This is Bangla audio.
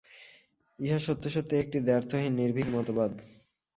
ইহা সত্যসত্যই একটি দ্ব্যর্থহীন নির্ভীক মতবাদ।